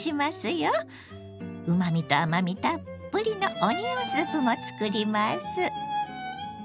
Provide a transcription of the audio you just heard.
うまみと甘みたっぷりのオニオンスープも作ります。